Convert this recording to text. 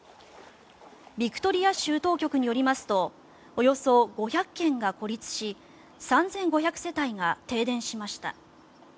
ビクトリア州当局によりますとおよそ５００軒が孤立し３５００世帯が停電しました。